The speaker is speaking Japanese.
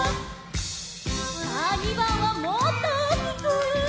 さあ２ばんはもっとおおきく！